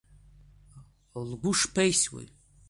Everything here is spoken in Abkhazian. Лгәы шԥеисуеи!